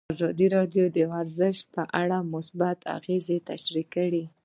ازادي راډیو د ورزش په اړه مثبت اغېزې تشریح کړي.